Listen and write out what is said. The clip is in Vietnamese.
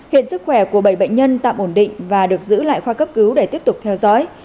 hiện sức khỏe của bảy bệnh nhân tạm ổn định và được giữ lại khoa cấp cứu để tiếp tục theo dõi